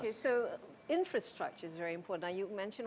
jadi infrastruktur sangat penting